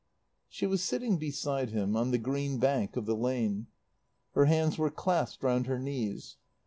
She was sitting beside him on the green bank of the lane. Her hands were clasped round her knees.